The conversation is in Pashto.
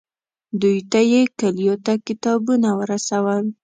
دوی ته یې کلیو ته کتابونه ورسول.